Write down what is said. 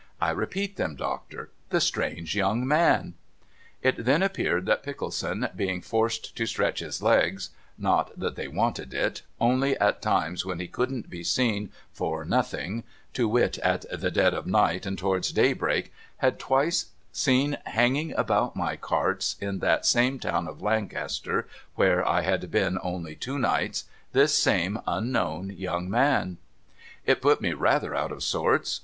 I repeat them. Doctor. The strange young man,' It then appeared that Pickleson, being forced to stretch his legs (not that they wanted it) only at times when he couldn't be seen for nothing, to wit in the dead of the night and towards daybreak, had twice seen hanging about my carts, in that same town of Lancaster where I had been only two nights, this same unknown young man. It put me rather out of sorts.